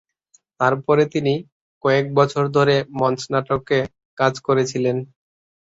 তারপরে তিনি কয়েক বছর ধরে মঞ্চ নাটকে কাজ করেছিলেন।